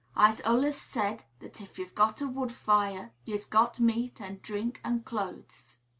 I'se allers said that, if yer's got a wood fire, yer's got meat, an' drink, an' clo'es."